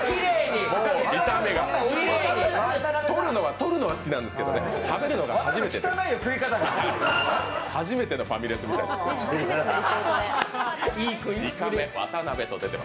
撮るのは好きなんですけどね、食べるのは初めてのファミレスみたいになってる。